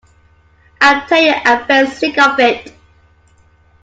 I tell you I’m fair sick of it.